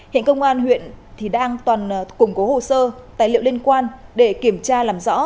hiện công an huyện thì đang toàn củng cố hồ sơ tài liệu liên quan để kiểm tra làm rõ